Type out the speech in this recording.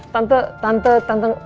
tante tante tante